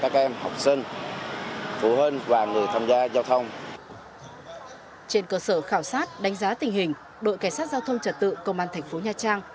trên cơ sở khảo sát đánh giá tình hình đội cảnh sát giao thông trật tự công an thành phố nha trang